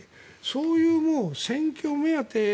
そういう選挙目当て